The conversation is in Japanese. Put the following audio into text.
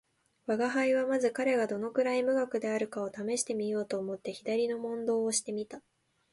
吾輩はまず彼がどのくらい無学であるかを試してみようと思って左の問答をして見た